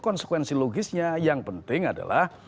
konsekuensi logisnya yang penting adalah